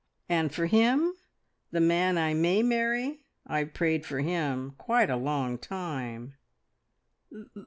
And for him the man I may marry. I've prayed for him quite a long time." "The